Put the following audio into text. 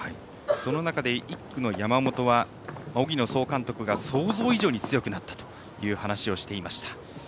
その中で１区の山本は荻野総監督が想像以上に強くなったという話をしていました。